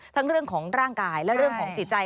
ทั้งเรื่องของร่างกายและเรื่องของจิตใจ